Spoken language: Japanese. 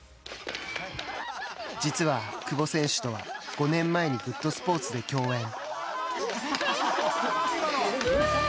実は、久保選手とは５年前に「グッと！スポーツ」で共演。